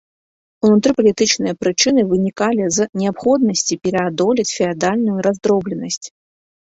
Унутрыпалітычныя прычыны вынікалі з неабходнасці пераадолець феадальную раздробленасць.